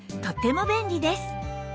とっても便利です